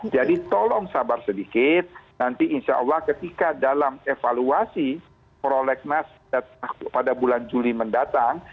jadi tolong sabar sedikit nanti insya allah ketika dalam evaluasi prolegnas pada bulan juli mendatang